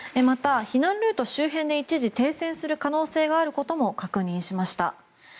また、避難ルート周辺で一時停戦する可能性があることも確認しました。